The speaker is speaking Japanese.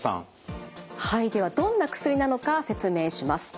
はいではどんな薬なのか説明します。